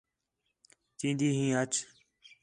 چیندی ہیں اَچ